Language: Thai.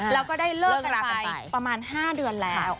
แล้วก็ได้เลิกกันไปประมาณ๕เดือนแล้ว